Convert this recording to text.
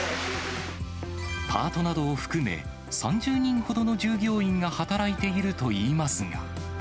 パートなどを含め、３０人ほどの従業員が働いているといいますが。